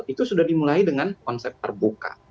itu sudah dimulai dengan konsep terbuka